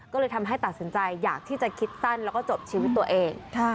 ก็เลยทำให้ตัดสินใจอยากที่จะคิดสั้นแล้วก็จบชีวิตตัวเอง